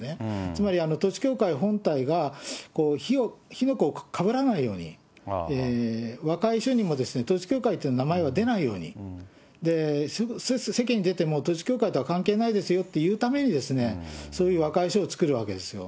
つまり、統一教会本体が、火の粉をかぶらないように、若い人にも統一教会という名前は出ないように、世間に出ても統一教会とは関係ないですよって言うために、そういう和解書を作るわけですよ。